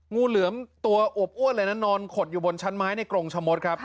งูเหลือมตัวอวบอ้วนเลยนะนอนขดอยู่บนชั้นไม้ในกรงชะมดครับ